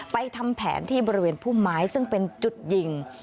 ทำแผนที่บริเวณพุ่มไม้ซึ่งเป็นจุดยิง